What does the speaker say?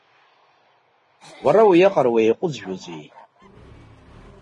Уара уиаҟара уеиҟәызжәозеи?